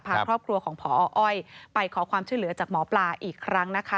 พาครอบครัวของพออ้อยไปขอความช่วยเหลือจากหมอปลาอีกครั้งนะคะ